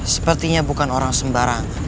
sepertinya bukan orang sembarang